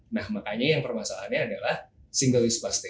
nah makanya yang permasalahannya adalah single use plastic